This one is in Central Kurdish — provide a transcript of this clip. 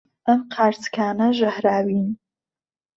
ئەم قارچکانە ژەهراوین.